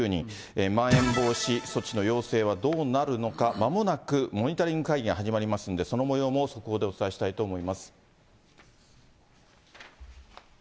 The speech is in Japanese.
まん延防止措置の要請はどうなるのか、まもなくモニタリング会議が始まりますんで、そのもようも速報でお伝えしたいと思います。